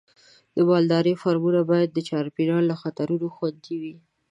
د مالدارۍ فارمونه باید د چاپېریال له خطرونو خوندي وي.